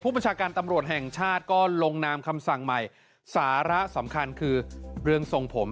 ประชาการตำรวจแห่งชาติก็ลงนามคำสั่งใหม่สาระสำคัญคือเรื่องทรงผม